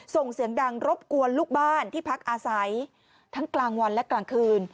ส่งเสียงดังรบกวนลูกบ้านที่พักอาศัยทั้งกลางวันและกลางคืน